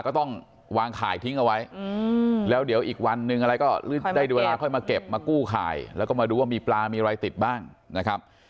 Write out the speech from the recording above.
ก็ต้องวางข่ายทิ้งเอาไว้แล้วเดี๋ยวอีกวันนึงอะไรก็ได้เวลาค่อยมาเก็บมากู้ข่ายแล้วก็มาดูว่ามีปลามีอะไรติดบ้างนะครับ